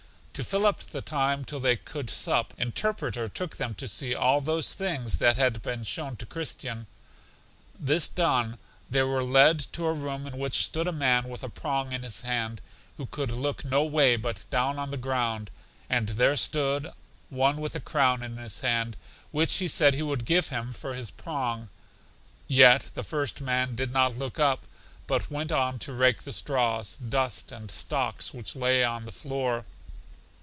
To fill up the time till they could sup, Interpreter took them to see all those things that had been shown to Christian. This done, they were led to a room in which stood a man with a prong in his hand, who could look no way but down on the ground; and there stood one with a crown in his hand, which he said he would give him for his prong; yet the first man did not look up, but went on to rake the straws, dust, and stocks which lay on the floor.